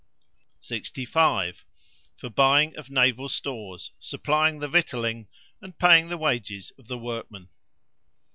65. For buying of naval stores, supplying the victualling, and paying the wages of the workmen.